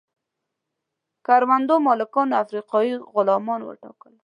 کروندو مالکانو افریقایي غلامان وټاکل.